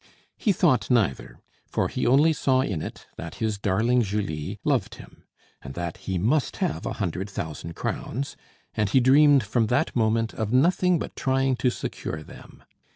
He thought neither, for he only saw in it that his darling Julie loved him, and that he must have a hundred thousand crowns, and he dreamed from that moment of nothing but trying to secure them.